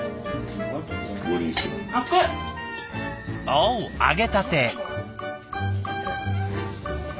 おお揚げたて。